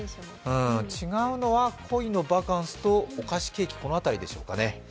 違うのは、恋のバカンスとお菓子ケーキの辺りですかね。